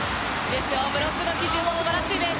ブロックの基準も素晴らしいです。